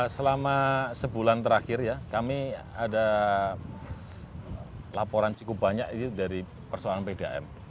selama sebulan terakhir ya kami ada laporan cukup banyak ini dari persoalan pdam